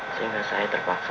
sehingga saya terpaksa